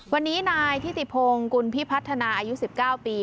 วันนี้นายที่ติภงคุณพี่พัฒนาอายุ๑๙ปี